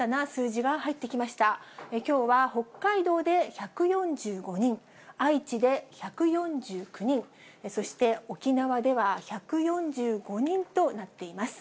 きょうは北海道で１４５人、愛知で１４９人、そして沖縄では、１４５人となっています。